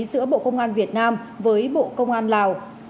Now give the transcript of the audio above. giữa bộ công an việt nam với bộ công an lào